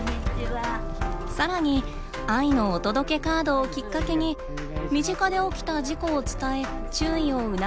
さらに「愛のお届けカード」をきっかけに身近で起きた事故を伝え注意を促すことも。